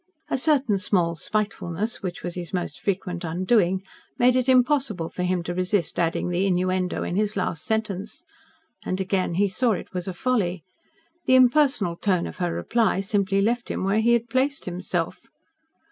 A certain small spitefulness which was his most frequent undoing made it impossible for him to resist adding the innuendo in his last sentence. And again he saw it was a folly. The impersonal tone of her reply simply left him where he had placed himself.